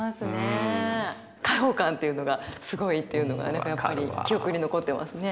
開放感っていうのがすごいっていうのが何かやっぱり記憶に残ってますね。